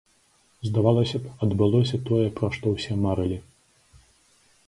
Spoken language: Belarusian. Здавалася б, адбылося тое, пра што ўсе марылі.